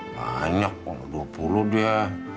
banyak dua puluh dia